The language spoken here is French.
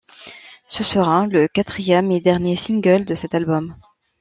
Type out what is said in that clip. Ce sera le quatrième et dernier single de cet album.